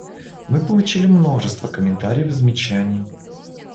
Мы получили множество комментариев и замечаний.